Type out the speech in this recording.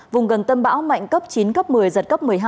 vùng gần tâm bão mạnh cấp chín cấp một mươi giật cấp một mươi hai